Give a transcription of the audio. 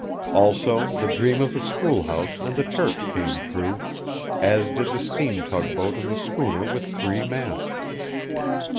Also the dream of the schoolhouse and the church came true, as did the steam tugboat and the schooner with three masts.